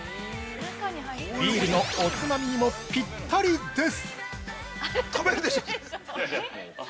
ビールのおつまみにもぴったりです。